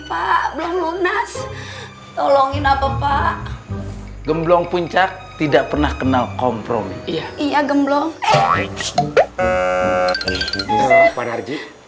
pak belum lunas tolongin apa pak gemblong puncak tidak pernah kenal kompromi iya iya gemblong